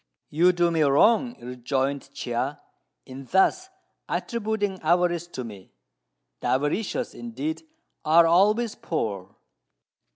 "You do me wrong," rejoined Chia, "in thus attributing avarice to me. The avaricious, indeed, are always poor."